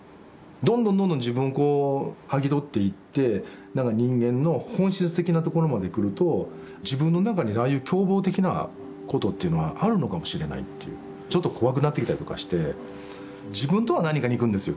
どんどんどんどん自分をこう剥ぎ取っていってなんか人間の本質的なところまで来ると自分の中にああいう凶暴的なことっていうのはあるのかもしれないっていうちょっと怖くなってきたりとかして「自分とは何か」にいくんですよ